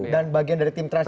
dan bagian dari tim transisi